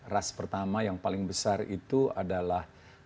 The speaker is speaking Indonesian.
ras pertama yang paling besar itu adalah